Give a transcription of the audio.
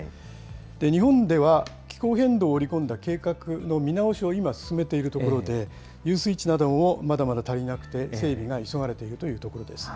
日本では気候変動を織り込んだ計画の見直しを今、進めているところで、遊水池などもまだまだ足りなくて、整備が急がれているというところです。